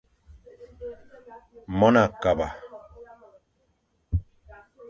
Mon a kaba.